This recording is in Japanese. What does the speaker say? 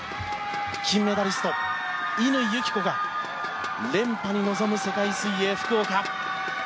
金メダリスト、乾友紀子が連覇に臨む世界水泳福岡。